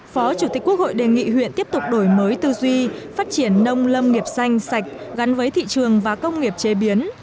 phó chủ tịch quốc hội đề nghị huyện tiếp tục đổi mới tư duy phát triển nông lâm nghiệp xanh sạch gắn với thị trường và công nghiệp chế biến